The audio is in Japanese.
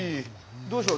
どうしよう。